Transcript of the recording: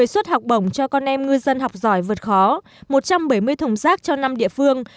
một mươi suất học bổng cho con em ngư dân học giỏi vượt khó một trăm bảy mươi thùng rác cho năm địa phương